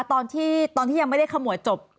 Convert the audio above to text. ตอนที่ยังไม่ได้ขโมยจบ